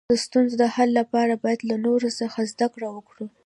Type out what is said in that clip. د ستونزو د حل لپاره باید له نورو څخه زده کړه وکړو.